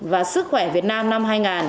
và sức khỏe việt nam năm hai nghìn hai mươi